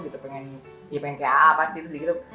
dia pengen kayak apa sih terus di gitu